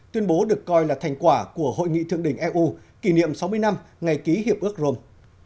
tuyên bố được coi là thành quả của hội nghị thượng đỉnh eu kỷ niệm sáu mươi năm ngày ký hiệp ước rome